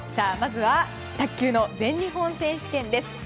まずは、卓球の全日本選手権です。